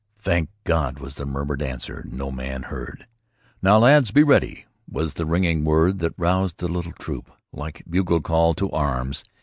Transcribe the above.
"Thank God!" was the murmured answer no man heard. "Now, lads, be ready!" was the ringing word that roused the little troop, like bugle call "To Arms."